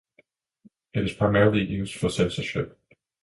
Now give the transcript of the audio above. It is primarily used for censorship.